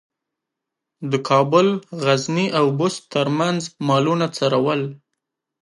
د کابل، غزني او بُست ترمنځ مالونه څرول.